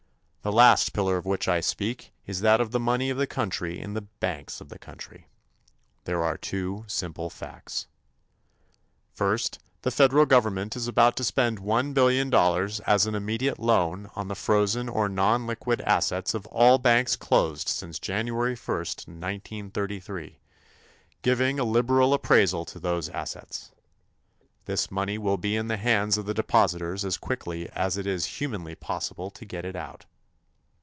The last pillar of which I speak is that of the money of the country in the banks of the country. There are two simple facts. First, the federal government is about to spend one billion dollars as an immediate loan on the frozen or non liquid assets of all banks closed since January 1, 1933, giving a liberal appraisal to those assets. This money will be in the hands of the depositors as quickly as it is humanly possible to get it out.